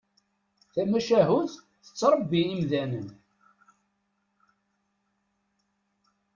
Tamacahut tettrebbi imdanen.